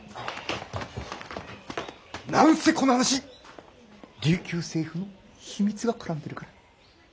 何せこの話琉球政府の秘密が絡んでるから。